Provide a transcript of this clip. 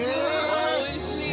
おいしいね。